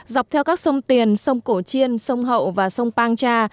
dọc theo các sông tiền sông cổ chiên sông hậu và sông pang cha